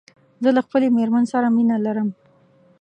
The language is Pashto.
زه له خپلې ميرمن سره مينه لرم